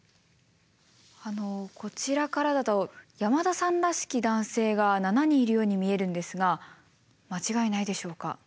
あのこちらからだと山田さんらしき男性が７人いるように見えるんですが間違いないでしょうか？